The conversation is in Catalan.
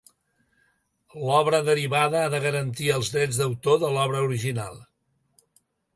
L'obra derivada ha de garantir els drets d'autor de l'obra original.